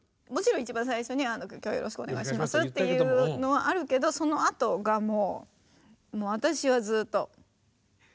もちろん一番最初に今日はよろしくお願いしますっていうのはあるけどそのあとがもう私はずっと。